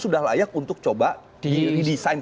sudah layak untuk coba di desain